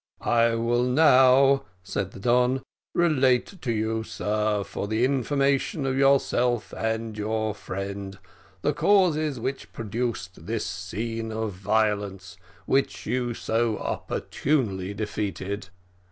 "I will now," said the Don, "relate to you, sir, for the information of yourself and friend, the causes which produced this scene of violence, which you so opportunely defeated.